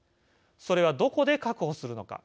それは、どこで確保するのか。